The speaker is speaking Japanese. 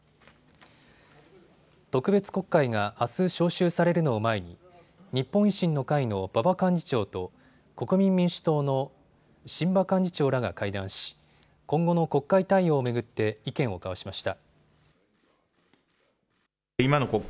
特別国会があす召集されるのを前に日本維新の会の馬場幹事長と国民民主党の榛葉幹事長らが会談し今後の国会対応を巡って意見を交わしました。